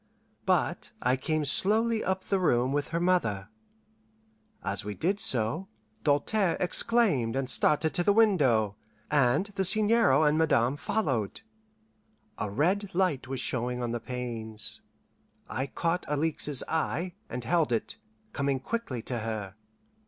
But I came slowly up the room with her mother. As we did so, Doltaire exclaimed and started to the window, and the Seigneur and Madame followed. A red light was showing on the panes. I caught Alixe's eye, and held it, coming quickly to her.